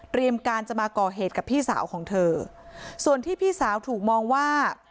การจะมาก่อเหตุกับพี่สาวของเธอส่วนที่พี่สาวถูกมองว่า